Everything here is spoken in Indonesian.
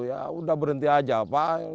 ya sudah berhenti saja pak